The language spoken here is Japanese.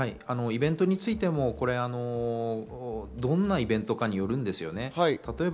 イベントについても、どんなイベントかにもよるんですね。